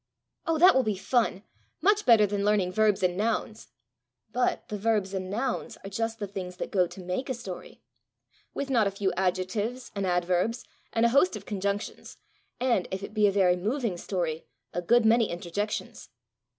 "Oh, that will be fun! much better than learning verbs and nouns!" "But the verbs and nouns are just the things that go to make a story with not a few adjectives and adverbs, and a host of conjunctions; and, if it be a very moving story, a good many interjections!